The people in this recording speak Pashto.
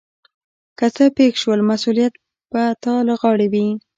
که څه پیښ شول مسؤلیت به تا له غاړې وي.